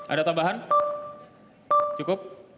ada tambahan cukup